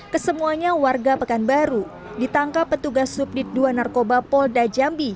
kesemuanya warga pekanbaru ditangkap petugas subdit dua narkoba polda jambi